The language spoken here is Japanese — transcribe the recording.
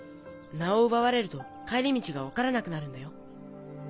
名を奪われると帰り道が分からなくなるんだよ。